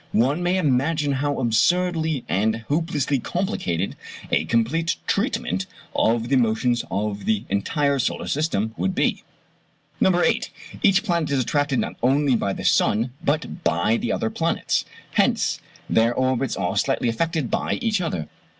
One may imagine how absurdly and hopelessly complicated a complete treatment of the motions of the entire solar system would be. No. 8. Each planet is attracted not only by the sun but by the other planets, hence their orbits are slightly affected by each other.